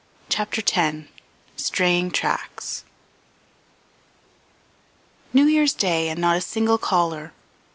CHAPTER X STRAYING TRACKS NEW YEAR'S DAY, and not a single caller!